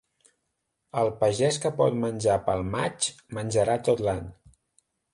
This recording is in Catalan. El pagès que pot menjar pel maig, menjarà tot l'any.